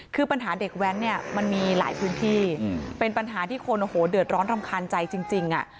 คือปัญหาเด็กแวนมันมีหลายพื้นที่เป็นปัญหาที่คนโดยร้อนรำคาญใจจริง